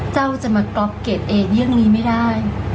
เจ้าจะมาก๊อปเกรดเอเรื่องนี้ไม่ได้